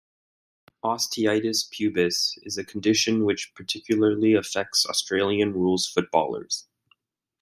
Osteitis pubis is a condition which particularly affects Australian rules footballers.